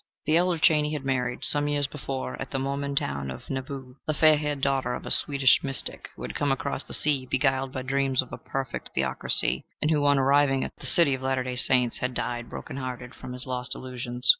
The elder Chaney had married, some years before, at the Mormon town of Nauvoo, the fair haired daughter of a Swedish mystic, who had come across the sea beguiled by dreams of a perfect theocracy, and who on arriving at the city of the Latter Day Saints had died, broken hearted from his lost illusions.